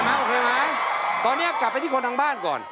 โอเคไหมตอนนี้กลับไปที่คนทางบ้านก่อน